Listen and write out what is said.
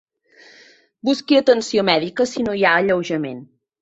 Busqui atenció mèdica si no hi ha alleujament.